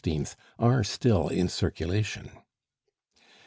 are still in circulation.